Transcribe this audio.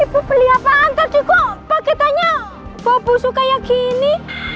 ibu beli apaan tadi kok paketannya bau busuk kayak gini